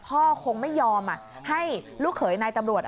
คงไม่ยอมให้ลูกเขยนายตำรวจ